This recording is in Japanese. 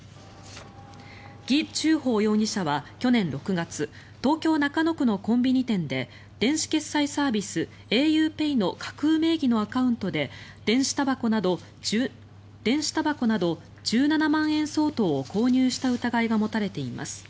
ギ・チュウホウ容疑者は去年６月東京・中野区のコンビニ店で電子決済サービスａｕＰＡＹの架空名義のアカウントで電子たばこなど１７万円相当を購入した疑いが持たれています。